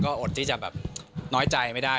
ก็อดที่จะแบบน้อยใจไม่ได้